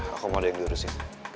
aku mau ada yang diurusin